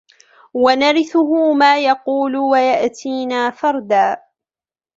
ونرثه ما يقول ويأتينا فردا